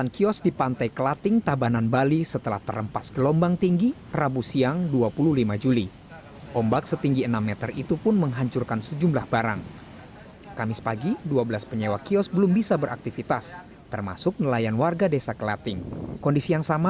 kios di pantai kelating